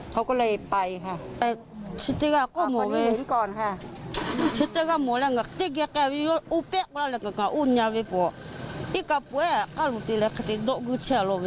เขาก็เลยไปค่ะ